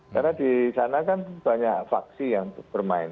karena di sana kan banyak vaksi yang bermain